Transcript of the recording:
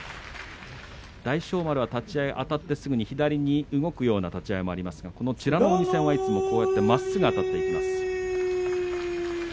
大翔丸は立ち合いあたってすぐに左、動くような立ち合いもありますが、美ノ海戦はこうやってまっすぐあたっていきます。